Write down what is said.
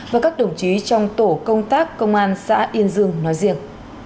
và các đồng chí trong tổ công tác công an xã yên dương nói riêng